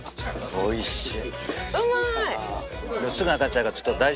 おいしい。